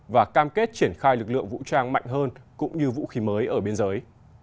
và cam kết triển khai lực lượng vũ trang mạnh hơn cũng như vũ khí mới ở biên giới